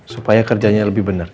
supaya kerjanya lebih benar